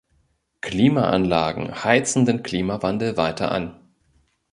Klimaanlagen heizen den Klimawandel weiter an.